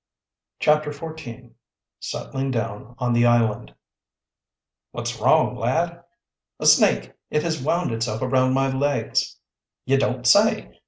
CHAPTER XIV SETTLING DOWN ON THE ISLAND "What's wrong, lad?" "A snake! It has wound itself around my legs!" "Ye don't say!"